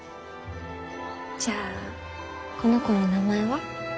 じゃあこの子の名前は？